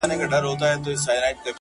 چې وي د ښکلي تر راتللو ژوندی